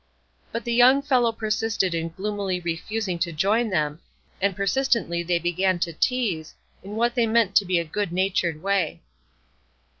But the young fellow persisted in gloomily refusing to join them, and presently they began to tease, in what they meant to be a good natured way.